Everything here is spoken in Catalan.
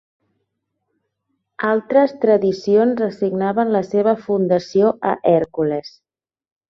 Altres tradicions assignaven la seva fundació a Hèrcules.